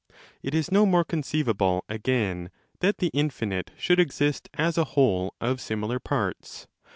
It is no more conceivable, again, that the infinite should exist as a whole of sémzlar parts.